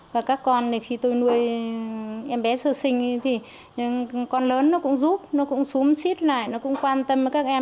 và các con thì khi tôi nuôi em bé sơ sinh thì con lớn nó cũng giúp nó cũng xúm xít lại nó cũng quan tâm với các em